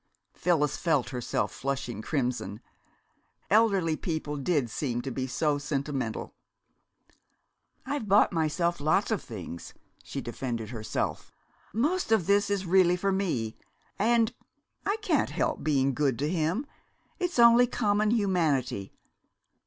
Phyllis felt herself flushing crimson. Elderly people did seem to be so sentimental! "I've bought myself lots of things," she defended herself. "Most of this is really for me. And I can't help being good to him. It's only common humanity.